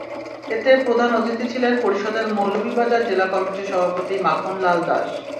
এতে প্রধান অতিথি ছিলেন পরিষদের মৌলভীবাজার জেলা কমিটির সভাপতি মাখন লাল দাশ।